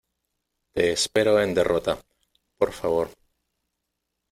te espero en derrota. por favor .